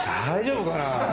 大丈夫かな。